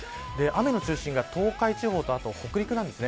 雨の中心が東海地方と北陸です。